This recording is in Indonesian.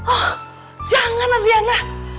oh jangan adriana